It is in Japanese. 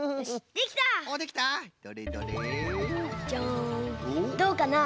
どうかな？